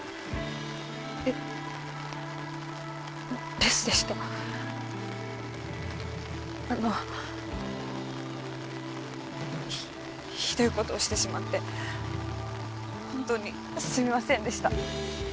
留守でしたあのひどいことをしてしまって本当にすみませんでした